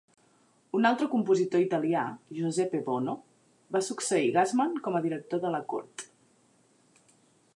Un altre compositor italià, Giuseppe Bonno, va succeir Gassmann com a director de la cort.